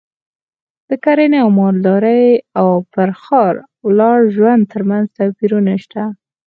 د کرنې او مالدارۍ او پر ښکار ولاړ ژوند ترمنځ توپیرونه شته